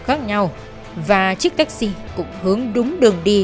khác nhau và chiếc taxi cũng hướng đúng đường đi